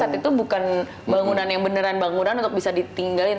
itu bukan bangunan yang beneran bangunan untuk bisa ditinggalin